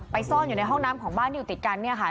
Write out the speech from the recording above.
ซ่อนอยู่ในห้องน้ำของบ้านที่อยู่ติดกันเนี่ยค่ะ